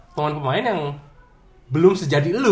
pemain pemain yang belum sejadi lu